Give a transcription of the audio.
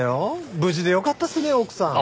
無事でよかったですね奥さん。